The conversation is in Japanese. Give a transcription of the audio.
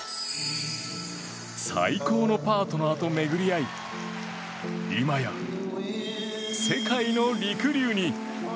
最高のパートナーと巡り会い今や世界のりくりゅうに。